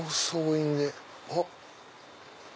あっ！